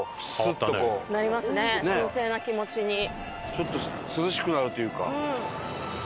ちょっと涼しくなるというか。